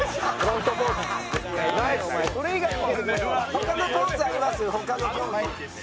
他のポーズあります？